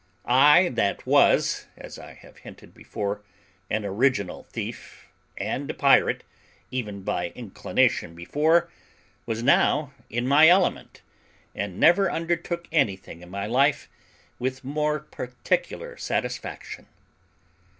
I that was, as I have hinted before, an original thief, and a pirate, even by inclination before, was now in my element, and never undertook anything in my life with more particular satisfaction.